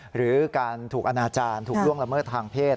หรือการถูกอนาจารย์ถูกล่วงละเมิดทางเพศ